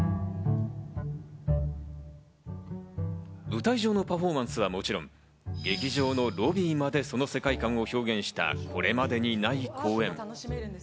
舞台上のパフォーマンスはもちろん、劇場のロビーまで、その世界観を表現した、これまでにない公演。